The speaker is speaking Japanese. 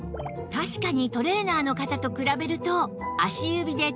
確かにトレーナーの方と比べると